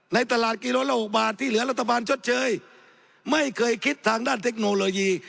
ในตลาดกิโลละ๖บาทที่เหลือรัฐบาลชดเชยไม่เคยคิดทางด้านเทคโนโลยี